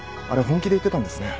本気で言ってたんですね。